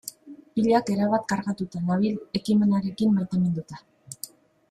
Pilak erabat kargatuta nabil, ekimenarekin maiteminduta.